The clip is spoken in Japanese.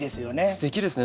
すてきですね